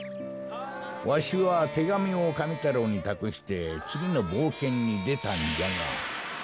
わしはてがみをカメ太郎にたくしてつぎのぼうけんにでたんじゃが。